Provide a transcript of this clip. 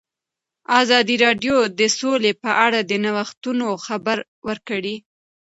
ازادي راډیو د سوله په اړه د نوښتونو خبر ورکړی.